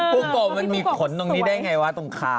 ปุ๊กโกะมันมีขนตรงนี้ได้อย่างไรวะตรงข้าง